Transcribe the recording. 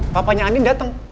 papanya andin dateng